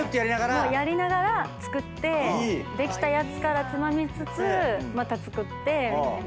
もうやりながら作ってできたやつからつまみつつまた作ってみたいな。